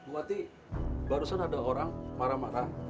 bu ati barusan ada orang marah marah